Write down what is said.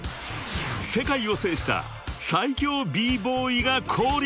［世界を制した最強Ｂ−ＢＯＹが降臨］